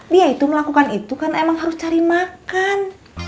dia itu melakukan itu karena emang harus cari makan